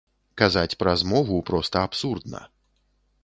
Казаць пра змову проста абсурдна.